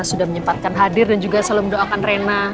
sudah menyempatkan hadir dan juga salam doakan reina